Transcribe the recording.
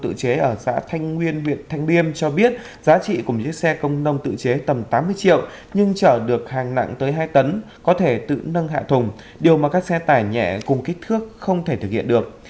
tự chế ở xã thanh nguyên huyện thanh liêm cho biết giá trị của những xe công nông tự chế tầm tám mươi triệu nhưng chở được hàng nặng tới hai tấn có thể tự nâng hạ thùng điều mà các xe tải nhẹ cùng kích thước không thể thực hiện được